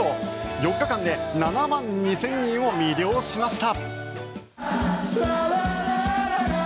４日間で７万２０００人を魅了しました。